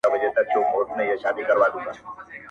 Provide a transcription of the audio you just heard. په دښتونو کي چي ګرځې وږی پلی!.